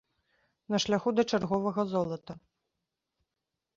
На шляху да чарговага золата.